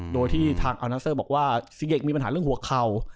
โดยที่ทางอัลนัสเซอร์บอกว่าซีเกกมีปัญหาเรื่องหัวเข่า